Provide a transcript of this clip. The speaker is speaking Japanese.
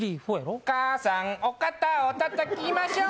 母さんお肩をたたきましょう。